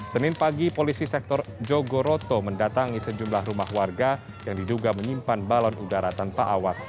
senin pagi polisi sektor jogoroto mendatangi sejumlah rumah warga yang diduga menyimpan balon udara tanpa awak